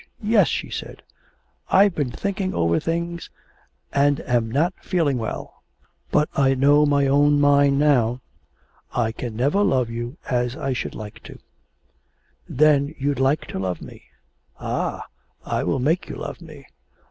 Yes,' she said, 'I've been thinking over things and am not feeling well. But I know my own mind now. I can never love you as I should like to.' 'Then you'd like to love me. Ah, I will make you love me..